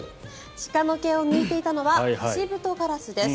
鹿の毛を抜いていたのはハシブトガラスです。